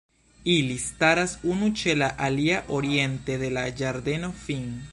Ili staras unu ĉe la alia oriente de la Ĝardeno Fin.